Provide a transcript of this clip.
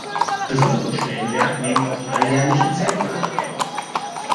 Besonderen Stellenwert nehmen auch die alljährlichen Zeltlager ein.